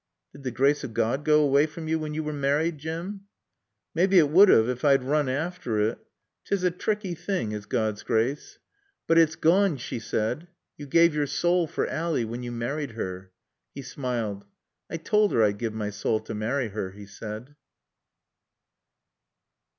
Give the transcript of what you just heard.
"Did the grace of God go away from you when you married, Jim?" "Mebbe t' would 'aave ef I'd roon aaffter it. 'Tis a tricky thing is Gawd's graace." "But it's gone," she said. "You gave your soul for Ally when you married her." He smiled. "I toald 'er I'd give my sawl t' marry 'er," he said.